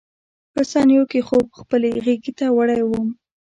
په ثانیو کې خوب خپلې غېږې ته وړی وم.